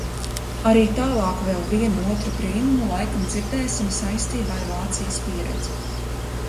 Arī tālāk vēl vienu otru brīnumu laikam dzirdēsim saistībā ar Vācijas pieredzi.